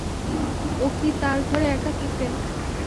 ও কি তার ঘরে একা থাকে?